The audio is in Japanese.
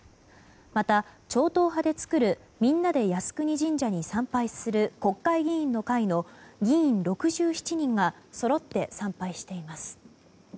また、超党派で作るみんなで靖国神社に参拝する国会議員の会の議員６７人がそろって参拝しています。